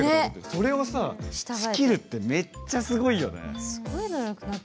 それをさ、仕切るってめっちゃすごいよね。